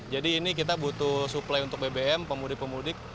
jadi ini kita butuh suplai untuk bbm pemudik pemudik